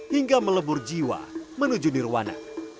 hingga melebur jiwa menuju nirwana